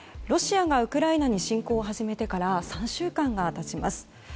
ロシアがウクライナに侵攻を始めてから３週間が経ちます。